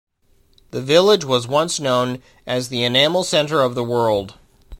The village was once known as the "Enamel Center of the World".